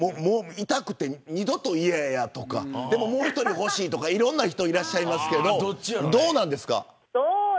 痛くて二度と嫌やとかもう１人欲しいとかいろんな方いますけど、どうなんですか。